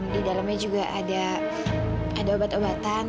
di dalamnya juga ada obat obatan